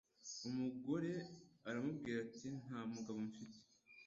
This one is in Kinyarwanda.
Umugore aramubwira ati, “Nta mugabo mfite.”